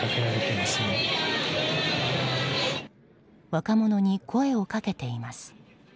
若者に声をかけています。